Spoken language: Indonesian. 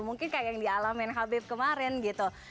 mungkin kayak yang dialamin khabib kemarin gitu